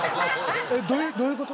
どういうこと。